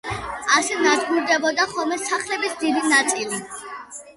ასე ნადგურდებოდა ხოლმე სახლების დიდი ნაწილი.